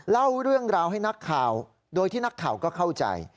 เล่าเรื่องราวให้นักข่าวโดยที่นักข่าวก็เข้าใจ